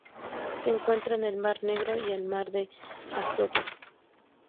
Se encuentra en el Mar Negro y el Mar de Azov.